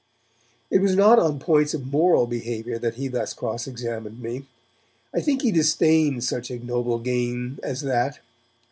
It was not on points of moral behaviour that he thus cross examined me; I think he disdained such ignoble game as that.